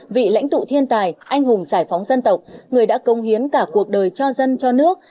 vị lãnh tụ thiên tài anh hùng giải phóng dân tộc người đã công hiến cả cuộc đời cho dân cho nước